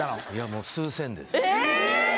もう数千ですえっ